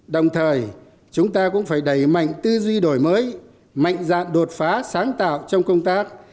đồng thời chúng ta cũng phải đẩy mạnh tư duy đổi mới mạnh dạng đột phá sáng tạo trong công tác